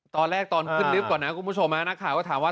ตอนแรกตอนภาครึกก่อนเมื่อก็ถามว่า